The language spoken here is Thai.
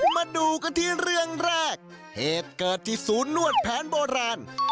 มาดูกันที่เรื่องแรกเหตุเกิดที่ศูนย์นวดแผนโบราณ